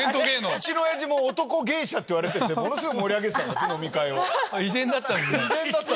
うちの親父男芸者っていわれててすごい盛り上げてた飲み会を。